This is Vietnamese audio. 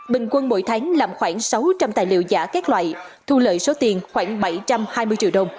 bình quân mỗi tháng làm khoảng sáu trăm linh tài liệu giả các loại thu lợi số tiền khoảng bảy trăm hai mươi triệu đồng